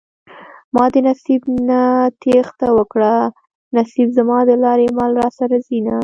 ما د نصيب نه تېښته وکړه نصيب زما د لارې مل راسره ځينه